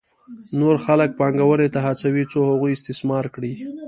نور خلک پانګونې ته هڅوي څو هغوی استثمار کړي